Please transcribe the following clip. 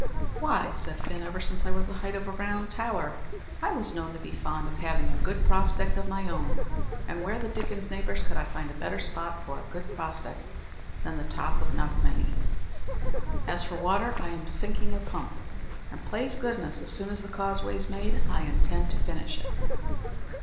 "Why," said Fin, "ever since I was the height of a round tower, I was known to be fond of having a good prospect of my own; and where the dickens, neighbours, could I find a better spot for a good prospect than the top of Knockmany? As for water, I am sinking a pump, and, plase goodness, as soon as the Causeway's made, I intend to finish it."